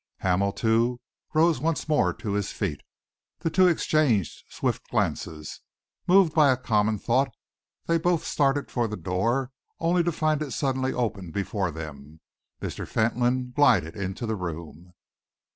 Hamel, too, rose once more to his feet. The two exchanged swift glances. Moved by a common thought, they both started for the door, only to find it suddenly opened before them. Mr. Fentolin glided into the room.